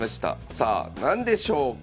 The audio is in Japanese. さあ何でしょうか」。